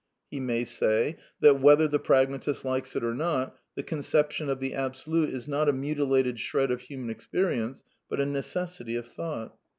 He may say that, whether the pragmatist likes it or not, the conception of the Absolute is not a mutilated shred of human experience, but a necessity of thought.